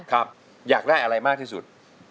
อยากได้อะไรมากที่สุด